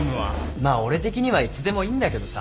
まあ俺的にはいつでもいいんだけどさ。